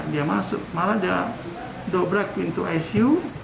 dia masuk malah dia dobrak pintu icu